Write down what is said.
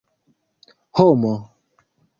homo